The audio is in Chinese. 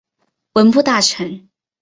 文部大臣。